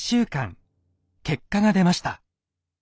結果が出ました。